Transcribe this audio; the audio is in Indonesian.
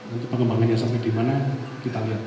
untuk pengembangannya sampai di mana kita lihat